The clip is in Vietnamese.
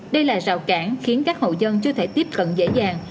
đây là rào cản khiến các hậu dân chưa thể tiếp cận dễ dàng